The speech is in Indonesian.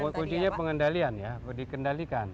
persis itu kuncinya pengendalian ya dikendalikan